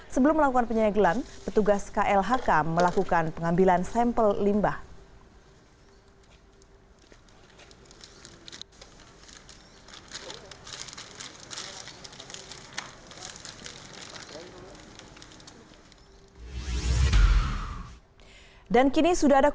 sebelum melakukan penyegelan petugas klhk melakukan pengambilan sampel limbah